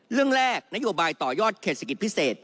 เรื่องแรกนโยบายต่อยอดเขตเศรษฐกิจพิเศษ